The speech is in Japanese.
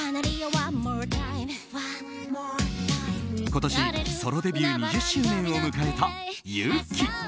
今年、ソロデビュー２０周年を迎えたＹＵＫＩ。